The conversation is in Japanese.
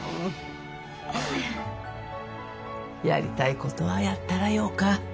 やりたいことはやったらよか。